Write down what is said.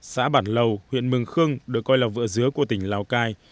xã bản lầu huyện mừng khương được coi là vựa dứa của tỉnh lào cai